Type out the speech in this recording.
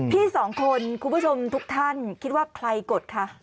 พี่สองคนคุณผู้ชมทุกท่านคิดว่าใครกดคะ